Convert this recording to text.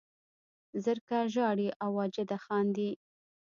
زرکه ژاړي او واجده خاندي